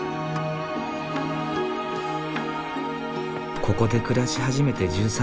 ここで暮らし始めて１３年。